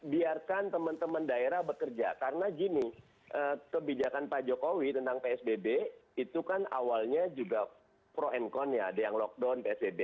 biarkan teman teman daerah bekerja karena gini kebijakan pak jokowi tentang psbb itu kan awalnya juga pro and con ya ada yang lockdown psbb